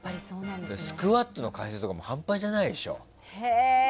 スクワットの回数とかもう半端じゃないでしょ。